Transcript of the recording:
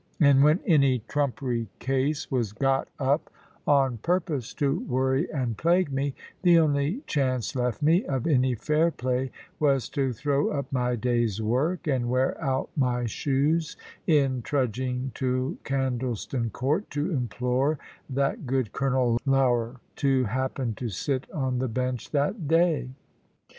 And when any trumpery case was got up, on purpose to worry and plague me, the only chance left me, of any fair play, was to throw up my day's work, and wear out my shoes in trudging to Candleston Court, to implore that good Colonel Lougher to happen to sit on the bench that day.